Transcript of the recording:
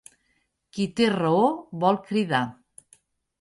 Qui té raó vol cridar.